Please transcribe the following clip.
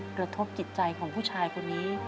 กระทบจิตใจของผู้ชายคนนี้